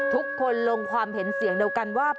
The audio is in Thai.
ทุกคนลงความเห็นเสียงเดียวกันว่า